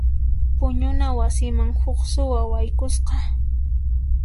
Puñuna wasiman huk suwa haykusqa.